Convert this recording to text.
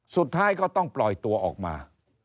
สุดท้ายก็ต้องปล่อยตัวออกมา